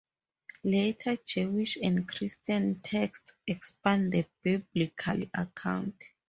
Later Jewish and Christian texts expand the Biblical account.